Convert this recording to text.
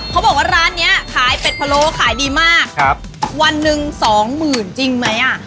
เขาบอกว่าร้านเนี้ยขายเป็ดพะโล้ขายดีมากครับวันหนึ่งสองหมื่นจริงไหมอ่ะ